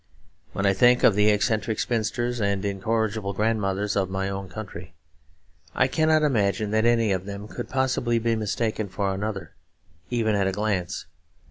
When I think of the eccentric spinsters and incorrigible grandmothers of my own country, I cannot imagine that any one of them could possibly be mistaken for another, even at a glance.